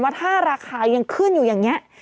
ว่าถ้าราคายังขึ้นอยู่อย่างนี้